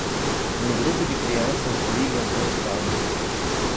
Um grupo de crianças brigam com espada.